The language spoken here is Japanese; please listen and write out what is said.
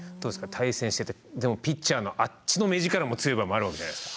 対戦しててでもピッチャーのあっちの目力も強い場合もあるわけじゃないですか。